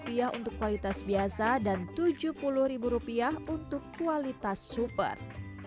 rp lima puluh untuk kualitas biasa dan rp tujuh puluh untuk kualitas super